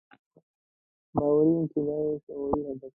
باوري یم چې دا یې شعوري هدف و.